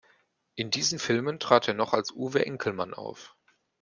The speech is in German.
In diesen Filmen trat er noch als Uwe Enkelmann auf.